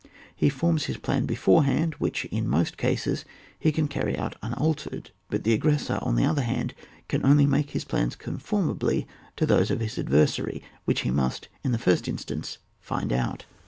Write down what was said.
He forms his plan beforehand, which, in most cases, he can carry out tinaltered, but the aggressor, on the other hand, can only make his plans conformably to those of his adversary, which he must in the first instance find out.